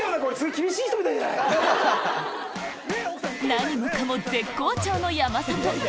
何もかも絶好調の山里